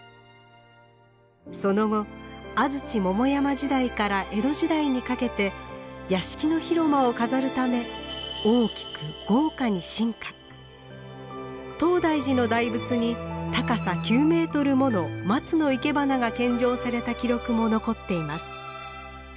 その後安土桃山時代から江戸時代にかけて屋敷の広間を飾るため東大寺の大仏に高さ９メートルもの松のいけばなが献上された記録も残っています。